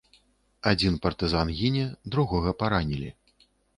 Адзін партызан гіне, другога паранілі.